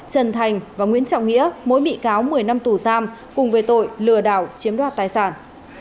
trần thành và nguyễn trọng nghĩa mỗi bị cáo một mươi năm tù giam cùng về tội lừa đảo chiếm đoạt tài sản